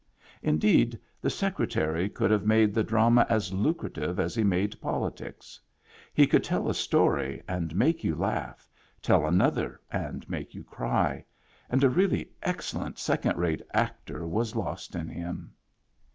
Indeed, the Secretary could have made the drama as lucrative as he made politics. He could tell a story and make you laugh, tell another and make you cry, and a really excellent second rate actor was lost in him.